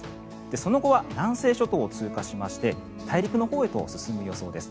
その後は南西諸島を通過して大陸のほうへと進む予想です。